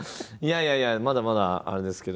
いやいやまだまだあれですけど。